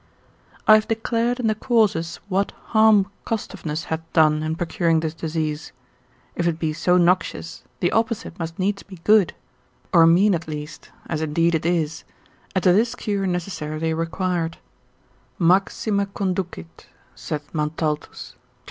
I have declared in the causes what harm costiveness hath done in procuring this disease; if it be so noxious, the opposite must needs be good, or mean at least, as indeed it is, and to this cure necessarily required; maxime conducit, saith Montaltus, cap.